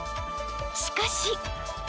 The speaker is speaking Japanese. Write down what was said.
［しかし］